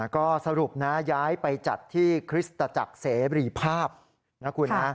ก็สรุปนะย้ายไปจัดที่คริสตจักรเสรีภาพนะคุณนะ